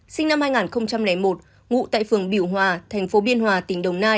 sinh năm hai nghìn một ngụ tại phường biểu hòa thành phố biên hòa tỉnh đồng nai